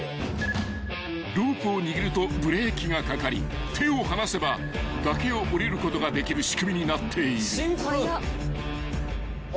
［ロープを握るとブレーキがかかり手を離せば崖をおりることができる仕組みになっている］